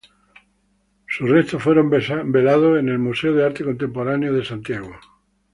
Sus restos fueron velados en el Museo de Arte Contemporáneo de Santiago.